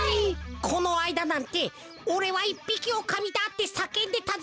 このあいだなんて「おれはいっぴきおおかみだ！」ってさけんでたぜ。